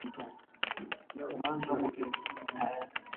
kuzalisha hewa safi ulioundwa na aliyekuwa Rais Barack Obama